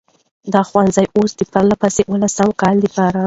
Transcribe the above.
دا ښوونځی اوس د پرلهپسې اوولسم کال لپاره،